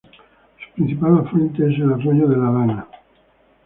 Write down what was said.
Su principal afluente es el arroyo de la Lana.